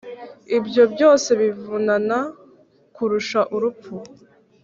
ibyo byose bivunana kurusha urupfu!